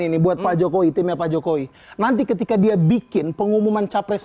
ini buat pak jokowi timnya pak jokowi nanti ketika dia bikin pengumuman capres